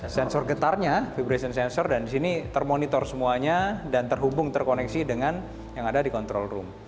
sensor getarnya viberation sensor dan di sini termonitor semuanya dan terhubung terkoneksi dengan yang ada di control room